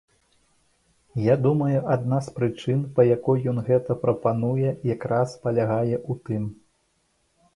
Я думаю, адна з прычын, па якой ён гэта прапануе якраз палягае ў тым.